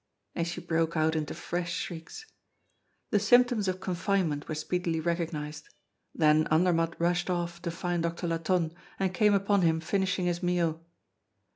And she broke out into fresh shrieks. The symptoms of confinement were speedily recognized. Then Andermatt rushed off to find Doctor Latonne, and came upon him finishing his meal.